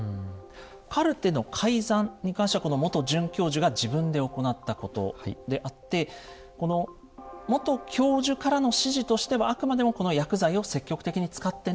カルテの改ざんに関してはこの元准教授が自分で行ったことであってこの元教授からの指示としてはあくまでもこの薬剤を積極的に使ってねということだったんですよね。